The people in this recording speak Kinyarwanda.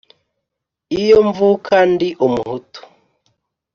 Iyo mvuka ndi umuhutu